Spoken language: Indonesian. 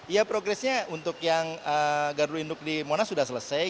ya progresnya untuk yang gardu induk di monas sudah selesai